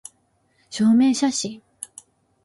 証明写真